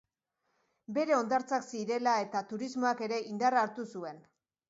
Bere hondartzak zirela eta turismoak ere indarra hartu zuen.